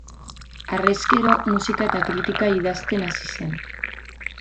Harrezkero musika eta kritika idazten hasi zen.